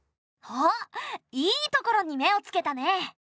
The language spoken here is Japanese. おっいいところに目をつけたね。